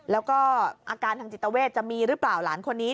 แล้วก็อาการทางจิตเวทจะมีหรือเปล่าหลานคนนี้